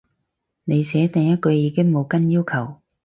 你寫第一句已經冇跟要求